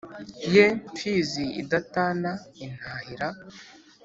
Ye Mfizi idatana intahira,